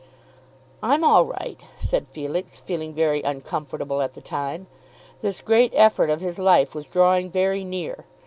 "I'm all right," said Felix, feeling very uncomfortable at the time. This great effort of his life was drawing very near.